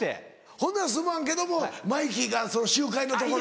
ほんならすまんけどもマイキーがその集会のところ。